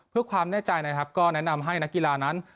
เพื่อความแน่ใจนะครับก็แนะนำให้นักกีฬานั้น